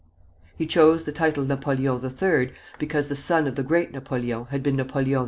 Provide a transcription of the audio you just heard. He chose the title Napoleon III. because the son of the Great Napoleon had been Napoleon II.